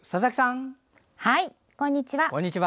こんにちは。